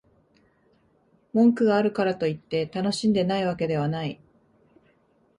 文句があるからといって、楽しんでないわけではない